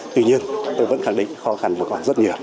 tuy nhiên tôi vẫn khẳng định khó khăn vừa còn rất nhiều